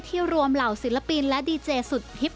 รวมเหล่าศิลปินและดีเจสุดฮิต